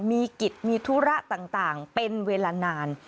มีกิจมีธุระต่างเป็นเวลานาน